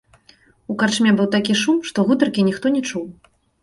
У карчме быў такі шум, што гутаркі ніхто не чуў.